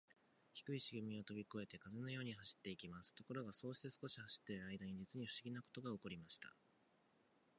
低いしげみはとびこえて、風のように走っていきます。ところが、そうして少し走っているあいだに、じつにふしぎなことがおこりました。